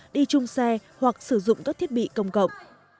đi chung xe hoặc sử dụng các thiết bị công cộng